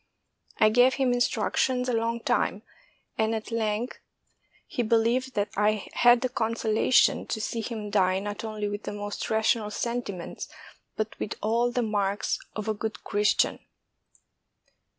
I gave him instructions a long time, and at length he be lieved, and I had the consolation to see him die not only with the most rational sentiments, but with all the marks of a good Christian.